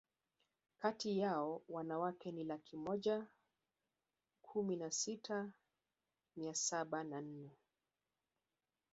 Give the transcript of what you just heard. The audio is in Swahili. kati yao wanawake ni laki moja kumi na sita mia saba na nane